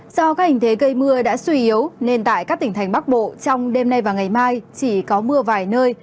do các hình thế gây mưa đã suy yếu nên tại các tỉnh thành bắc bộ trong đêm nay và ngày mai chỉ có mưa vài nơi